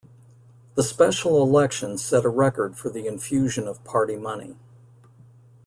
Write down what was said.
The special election set a record for the infusion of party money.